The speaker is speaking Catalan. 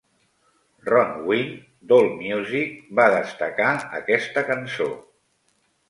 Ron Wynn, d'Allmusic, va destacar aquesta cançó.